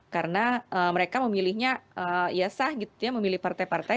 karena mereka memilihnya ya sah gitu ya memilih partai partai